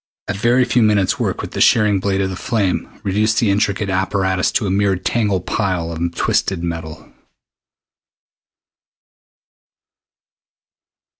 A very few minutes' work with the shearing blade of flame reduced the intricate apparatus to a mere tangled pile of twisted metal.